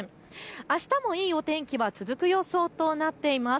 あしたもいいお天気は続く予想となっています。